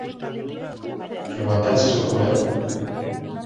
Remataches de comer?